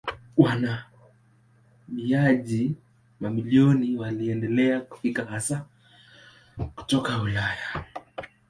Wahamiaji mamilioni waliendelea kufika hasa kutoka Ulaya.